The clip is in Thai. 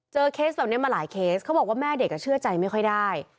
เคสแบบนี้มาหลายเคสเขาบอกว่าแม่เด็กเชื่อใจไม่ค่อยได้